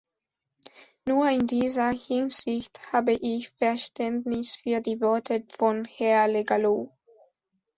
Nur in dieser Hinsicht habe ich Verständnis für die Worte von Herr Le Gallou.